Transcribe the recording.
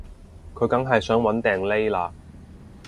佢梗係想搵掟匿喇